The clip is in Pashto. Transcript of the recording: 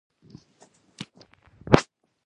ساره د علي په تودو وعدو باندې خطا نه شوله.